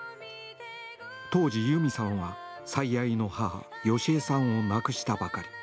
当時、由美さんは、最愛の母ヨシエさんを亡くしたばかり。